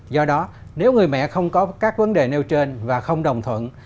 do đó nếu người mẹ không có các vấn đề nêu trên và không đồng thuận